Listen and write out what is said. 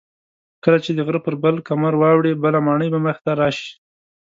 کله چې د غره پر بل کمر واوړې بله ماڼۍ به مخې ته راشي.